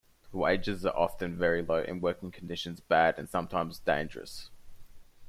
Wages are often very low and working conditions bad and sometimes dangerous.